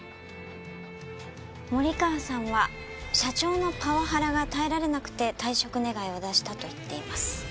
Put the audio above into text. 森川さんは社長のパワハラが耐えられなくて退職願を出したと言っています。